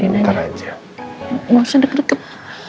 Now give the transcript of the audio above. enggak usah deket deket